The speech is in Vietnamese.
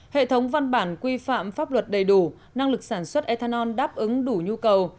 hệ thống văn bản quy phạm pháp luật đầy đủ năng lực sản xuất ethanol đáp ứng đủ nhu cầu